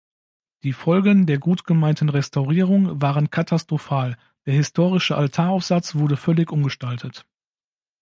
Die Folgen der gut gemeinten Restaurierung waren katastrophal, der historische Altaraufsatz wurde völlig umgestaltet.